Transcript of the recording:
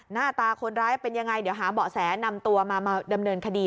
หน้าตาคนร้ายเป็นยังไงเดี๋ยวหาเบาะแสนำตัวมาดำเนินคดี